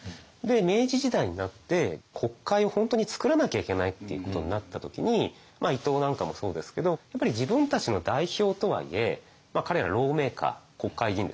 明治時代になって国会を本当につくらなきゃいけないっていうことになった時に伊藤なんかもそうですけどやっぱり自分たちの代表とはいえ彼らローメーカー国会議員ですよね。